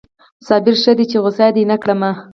صابره ښه ده چې غصه دې نه کړم